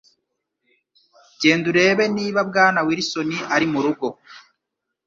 Genda urebe niba Bwana Wilson ari murugo.